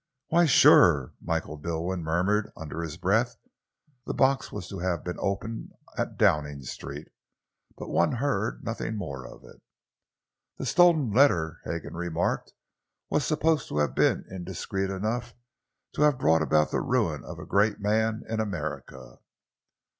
"Why, sure!" Michael Dilwyn murmured under his breath. "The box was to have been opened at Downing Street, but one heard nothing more of it." "The stolen letter," Hagan remarked, "was supposed to have been indiscreet enough to have brought about the ruin of a great man in America."